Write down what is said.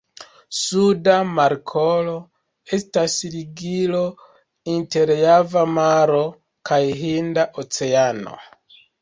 Sunda Markolo estas ligilo inter Java Maro kaj Hinda Oceano.